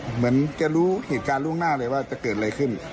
เหมือนจะรู้เหตุการณ์ล่วงหน้าเลยว่าจะเกิดอะไรขึ้น